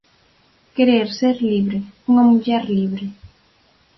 Querer ser libre, unha muller libre.